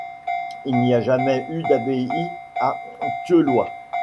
Il n'y a jamais eu d'abbaye à Thieulloy.